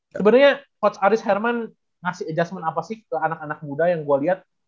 sebenarnya coach aris herman ngasih adjustment apa sih ke anak anak muda yang gue liat